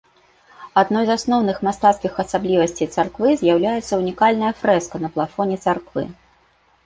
Адной з асноўных мастацкіх асаблівасцей царквы з'яўляецца ўнікальная фрэска на плафоне царквы.